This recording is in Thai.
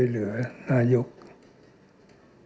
พลเอกเปรยุจจันทร์โอชานายกรัฐมนตรีพลเอกเปรยุจจันทร์โอชานายกรัฐมนตรี